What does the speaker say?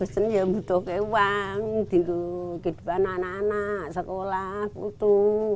saya tidak punya uang untuk hidup anak anak sekolah putu